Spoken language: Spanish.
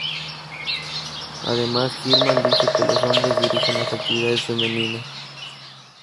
Además, Gilman dice que los hombres dirigen las actividades femeninas.